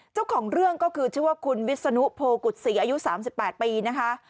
เจ้าของเรื่องก็คือชื่อว่าคุณวิศนุโพกุศรีอายุ๓๘ปีนะคะ